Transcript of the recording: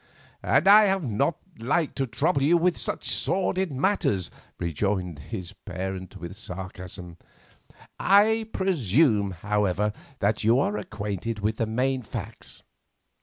"And I have not liked to trouble you with such sordid matters," rejoined his parent, with sarcasm. "I presume, however, that you are acquainted with the main facts.